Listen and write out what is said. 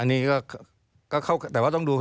อันนี้ก็เข้าแต่ว่าต้องดู